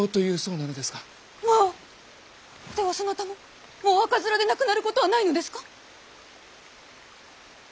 まぁあではそなたももう赤面で亡くなることはないのですか？